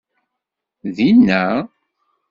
Din-a?